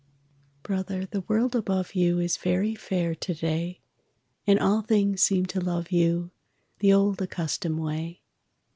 _ Brother, the world above you Is very fair to day, And all things seem to love you The old accustomed way.